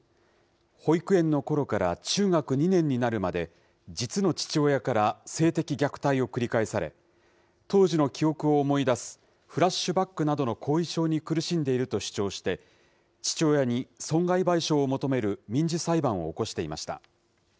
保育園のころから中学２年になるまで、実の父親から性的虐待を繰り返され、当時の記憶を思い出す、フラッシュバックなどの後遺症に苦しんでいると主張して、父親に損害賠償を求める民事裁判を起こしていました。